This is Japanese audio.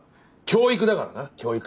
教育だからな教育。